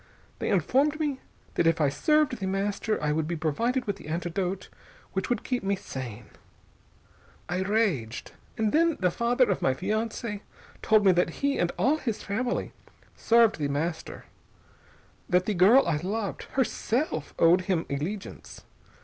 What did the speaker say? They informed me that if I served The Master I would be provided with the antidote which would keep me sane. I raged.... And then the father of my fiancée told me that he and all his family served The Master. That the girl I loved, herself, owed him allegiance.